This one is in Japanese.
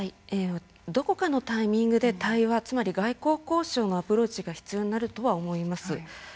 どこかのタイミングで対話、つまり外交交渉のアプローチが必要になるとは思います。